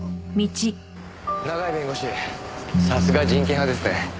永井弁護士さすが人権派ですね。